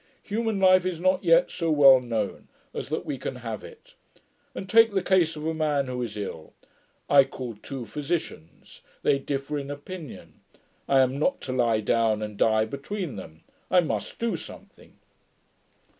Human life is not yet so well known, as that we can have it. And take the case of a man who is ill. I call two physicians: they differ in opinion. I am not to lie down, and die between them: I must do something.'